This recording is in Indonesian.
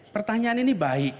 pertanyaan ini baik